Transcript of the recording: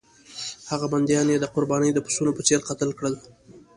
هغه بندیان یې د قربانۍ د پسونو په څېر قتل کړل.